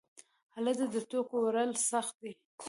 هلته د توکو وړل سخت دي.